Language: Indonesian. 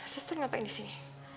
suster ngapain di sini